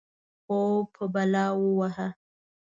خوب په بلا ووهه.